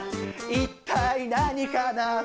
「一体何かな？」